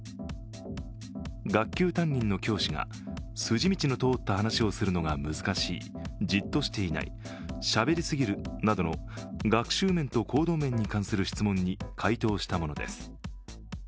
学級担任の教師が筋道の通った話をするのが難しい、じっとしていない、しゃべりすぎるなどの学習面と行動面に関する質問に回答したものです。